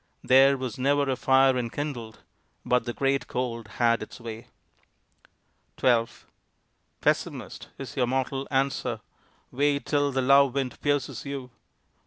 There was never a fire enkindled But the great Cold had its way. XII "Pessimist," is your mortal answer, "Wait till the love wind pierces you!"